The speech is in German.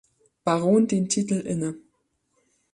Baron den Titel inne.